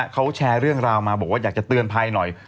เขาแชร์เรื่องราวมาบอกว่าอยากจะเตือนภัยหน่อย